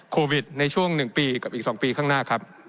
ในช่วง๑ปีกับอีก๒ปีข้างหน้าครับ